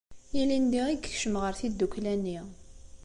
Ilindi i yekcem ɣer tiddukla-nni.